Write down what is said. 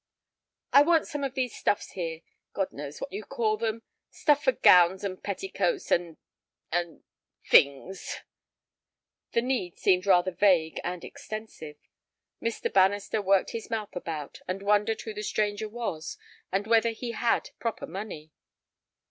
"I want some of these stuffs here, God knows what you call them, stuff for gowns and petticoats—and—and—things!" The need seemed rather vague and extensive. Mr. Bannister worked his mouth about, and wondered who the stranger was and whether he had proper money.